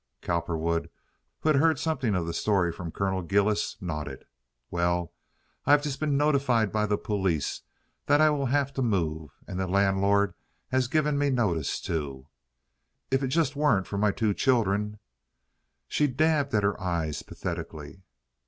Cowperwood, who had heard something of the story from Colonel Gillis, nodded. "Well, I have just been notified by the police that I will have to move, and the landlord has given me notice, too. If it just weren't for my two children—" She dabbed at her eyes pathetically.